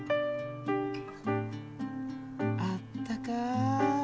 あったかい。